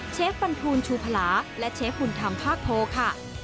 เชฟบันทูลชูภาราและเชฟหุ่นทำภาคโภค่ะ